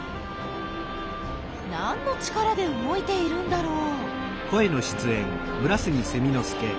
何の力で動いているんだろう？